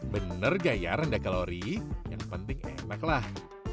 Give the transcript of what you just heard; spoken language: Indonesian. bener gaya rendah kalori yang penting enaklah